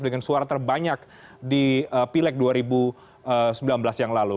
dengan suara terbanyak di pileg dua ribu sembilan belas yang lalu